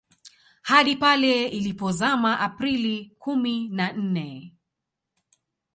Hadi pale ilipozama Aprili kumi na nne